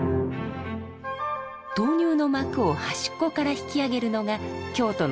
豆乳の膜を端っこから引き上げるのが京都の作り方。